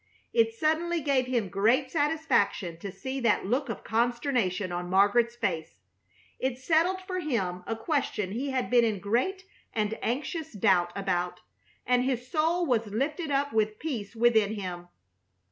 It suddenly gave him great satisfaction to see that look of consternation on Margaret's face. It settled for him a question he had been in great and anxious doubt about, and his soul was lifted up with peace within him.